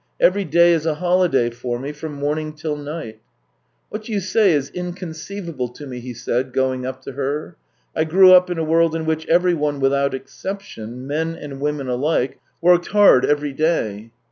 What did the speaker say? Every day is a holiday for me, from morning till night." " What you say is inconceivable to me," he said, going up to her. " I grew up in a world in which everyone without exception, men and women alike, worked hard every day."